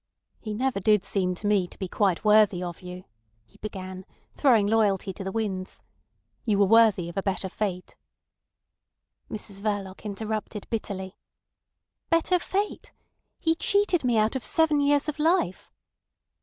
"He never did seem to me to be quite worthy of you," he began, throwing loyalty to the winds. "You were worthy of a better fate." Mrs Verloc interrupted bitterly: "Better fate! He cheated me out of seven years of life."